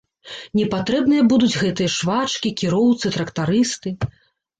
Не патрэбныя будуць гэтыя швачкі, кіроўцы, трактарысты.